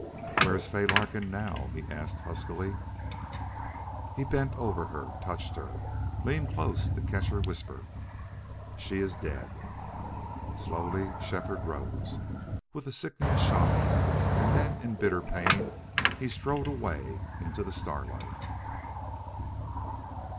"Where is Fay Larkin now?" he asked, huskily. He bent over her, touched her, leaned close to catch her whisper. "She is dead!" Slowly Shefford rose, with a sickening shock, and then in bitter pain he strode away into the starlight.